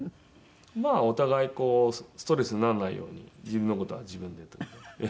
まあお互いこうストレスにならないように自分の事は自分でというね。